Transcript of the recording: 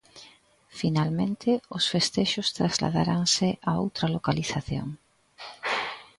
Finalmente, os festexos trasladaranse a outra localización.